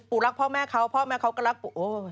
รักพ่อแม่เขาพ่อแม่เขาก็รักปู่โอ้